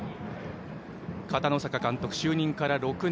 片野坂監督、就任から６年。